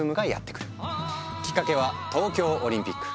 きっかけは東京オリンピック。